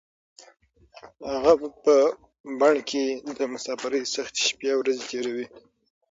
هغه په بن کې د مسافرۍ سختې شپې او ورځې تېروي.